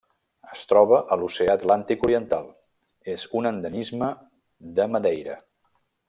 Es troba a l'Oceà Atlàntic oriental: és un endemisme de Madeira.